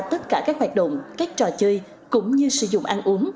tất cả các hoạt động các trò chơi cũng như sử dụng ăn uống